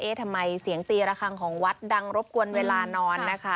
ทำไมเสียงตีระคังของวัดดังรบกวนเวลานอนนะคะ